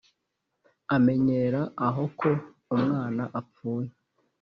amenyera aho ko umwana apfuye.